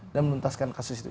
dan melintaskan kasus itu